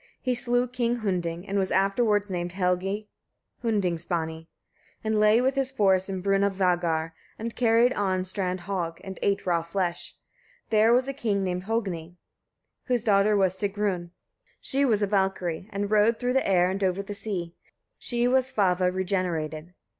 He slew King Hunding, and was afterwards named Helgi Hundingsbani. He lay with his force in Brunavagar, and carried on "strand hogg" and ate raw flesh. There was a king named Hogni, whose daughter was Sigrun: she was a Valkyria, and rode through the air and over the sea. She was Svava regenerated.